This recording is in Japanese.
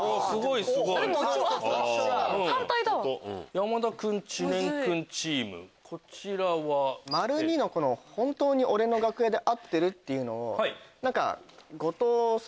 山田君・知念君チームこちらは？の「本当に俺の楽屋で合ってる？」っていうのを。